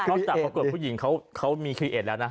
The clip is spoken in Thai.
จากปรากฏผู้หญิงเขามีคลีเอสแล้วนะ